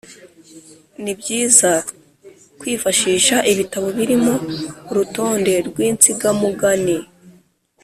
nibyiza kwifashisha ibitabo birimo urutonde rw’insigamugani.